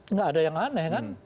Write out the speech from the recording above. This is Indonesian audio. nggak ada yang aneh kan